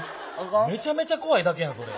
めちゃめちゃ怖いだけやんそれ。